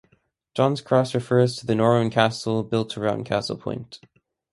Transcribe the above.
John's cross refers to the Norman castle built around Castle point.